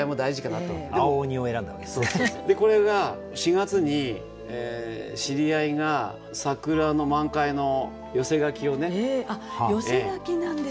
これが４月に知り合いが桜の満開の寄せ書きをね。寄せ書きなんですか。